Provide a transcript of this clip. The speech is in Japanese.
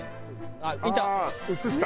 あっいった。